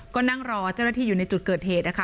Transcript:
ก็นั่งรอเจ้าหน้าที่อยู่ในจุดเกิดเหตุนะคะ